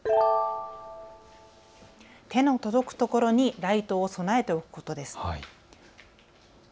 手の届くところにライトを備えておくことです。